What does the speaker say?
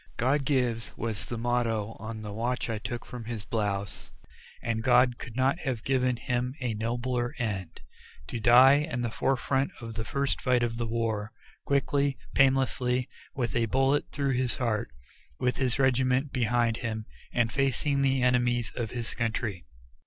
"God gives," was the motto on the watch I took from his blouse, and God could not have given him a nobler end; to die, in the fore front of the first fight of the war, quickly, painlessly, with a bullet through the heart, with his regiment behind him, and facing the enemies of his country.